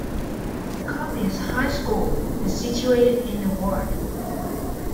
Coppice High School is situated in the ward.